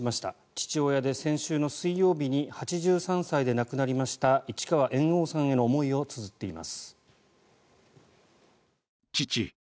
父親で、先週の水曜日に８３歳で亡くなりました市川猿翁さんへの思いをつづっています。